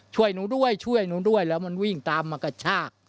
ช่วยหนูด้วยช่วยหนูด้วยแล้วมันวิ่งตามมากระชาก